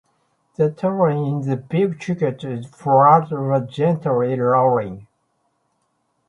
The terrain in the Big Thicket is flat or gently rolling.